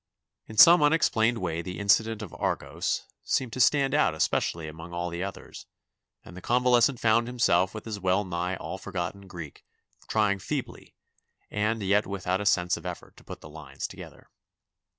In some unexplained way the incident of "Argos" seemed to stand out especially among all the others and the convalescent found himself with his well nigh all forgotten Greek trying feebly and yet without a sense of effort to put the lines together.